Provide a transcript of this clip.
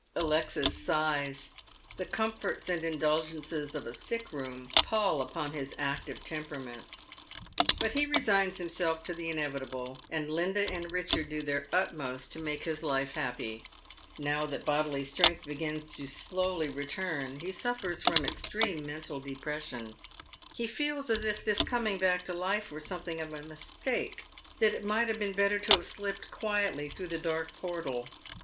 Alexis sighs. The comforts and indulgences of a sick room pall upon his active temperament. But he resigns himself to the inevitable, and Linda and Richard do their utmost to make his life happy. Now that bodily strength begins slowly to return he suffers fi'om extreme mental depression. He feels as if this coming back to life were something of a mistake, that it might have been better to have slipped quietly through the dark portal.